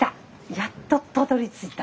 やっとたどりついた。